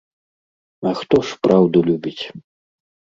А хто ж праўду любіць?